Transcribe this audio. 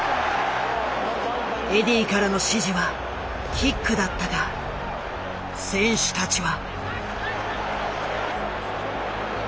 エディーからの指示はキックだったが選手たちは。